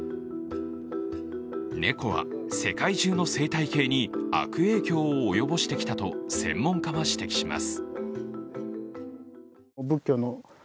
猫は、世界中の生態系に悪影響を及ぼしてきたと専門家は指摘します。